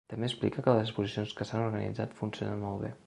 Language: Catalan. També explica que les exposicions que s’han organitzat funcionen molt bé.